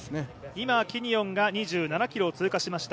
今、キニオンが２７ｋｍを通過しました。